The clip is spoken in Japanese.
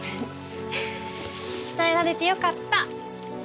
伝えられてよかった！